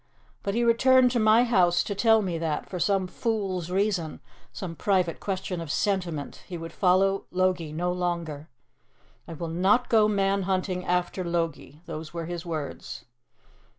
But he returned to my house to tell me that, for some fool's reason, some private question of sentiment, he would follow Logie no longer. 'I will not go man hunting after Logie' those were his words."